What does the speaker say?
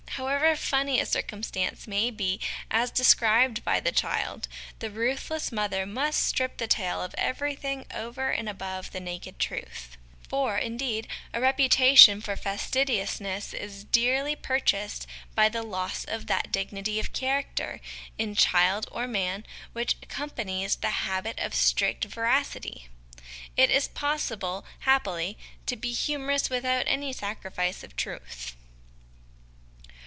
However funny a circumstance may be as described by the child, the ruthless mother must strip the tale of everything over and above the naked truth : for, indeed, a reputation 166 HOME EDUCATION for facetiousness is dearly purchased by the loss of that dignity of character, in child or man, which accompanies the habit of strict veracity ; it is possible, happily, to be humorous without any sacrifice of truth.